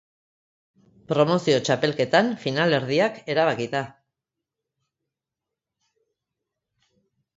Promozio txapelketan finalerdiak erabakita.